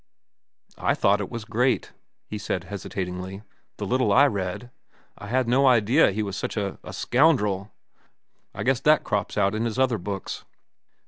"I thought it was great," he said hesitatingly, "the little I read. I had no idea he was such a—a scoundrel. I guess that crops out in his other books."